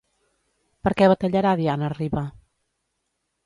Per què batallarà Diana Riba?